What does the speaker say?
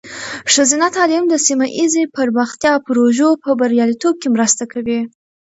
ښځینه تعلیم د سیمه ایزې پرمختیا پروژو په بریالیتوب کې مرسته کوي.